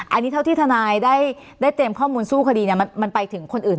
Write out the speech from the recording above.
อันนี้เท่าที่ทนายได้ได้เต็มข้อมูลสู้คดีเนี้ยมันมันไปถึงคนอื่น